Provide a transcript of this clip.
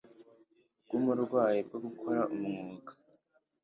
bw umurwayi bwo gukora umwuga